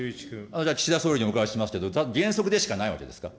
じゃあ岸田総理にお伺いしますけれども、原則でしかないわけですか。